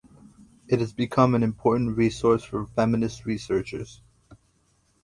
It has become an important resource for feminist researchers.